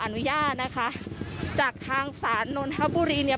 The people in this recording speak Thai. อนุญาตนะคะจากทางศาลนนทบุรีเนี่ย